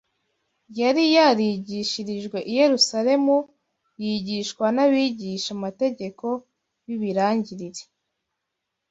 Yari yarigishirijwe i Yerusalemu, yigishwa n’abigishamategeko b’ibirangirire,